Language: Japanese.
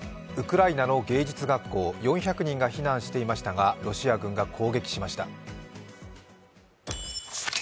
ウクライナの芸術学校、４００人が避難していましたがロシア軍が攻撃しました。